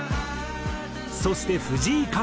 そして藤井風。